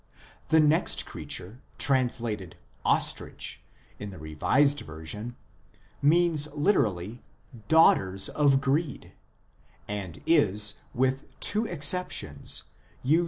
The next creature, translated " os trich " in the Revised Version, means literally " daughters of greed" (benoth ya anah), and is, with two exceptions, 1 I.e. Ps.